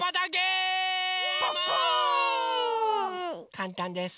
かんたんです。